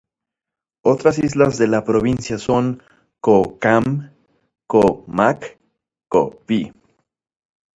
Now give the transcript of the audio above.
Otras islas de la provincia son: Ko Kham, Ko Mak, Ko Phi.